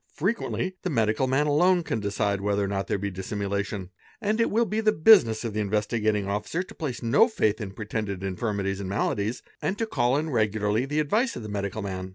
Frequently the medical man alone can decide wheth or not there be dissimulation, and it will be the business of the Inves: gating Officer to place no faith in pretended infirmities and maladi and to call in regularly the advice of the medical man.